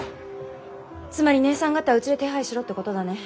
つまり姐さん方をうちで手配しろってことだね。